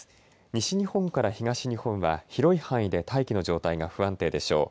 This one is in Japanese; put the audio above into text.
西日本から東日本は広い範囲で大気の状態が不安定でしょう。